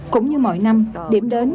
cũng như mỗi năm điểm đến